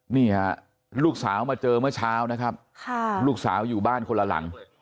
นี่ฮะลูกสาวมาเจอเมื่อเช้านะครับลูกสาวอยู่บ้านคนละหลัง